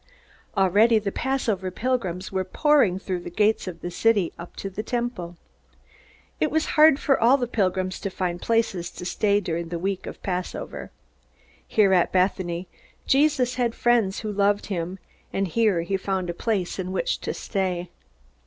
Already the Passover pilgrims were pouring through the gates of the city and up to the Temple. It was hard for all the pilgrims to find places to stay during the week of the Passover. Here at Bethany, Jesus had friends who loved him, and here he found a place in which to stay.